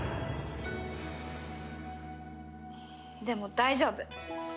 でも大丈夫。